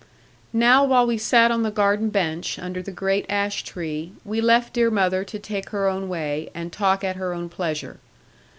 Now, while we sat on the garden bench, under the great ash tree, we left dear mother to take her own way, and talk at her own pleasure.